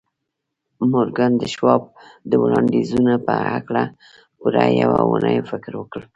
مورګان د شواب د وړانديزونو په هکله پوره يوه اونۍ فکر وکړ.